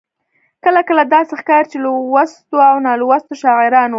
کله کله داسې ښکاري چې لوستو او نالوستو شاعرانو.